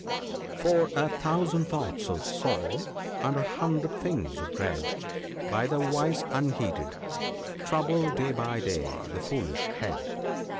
For, a thousand thoughts of sorrow, and a hundred things of dread, By the wise unheeded, trouble day by day the foolish head."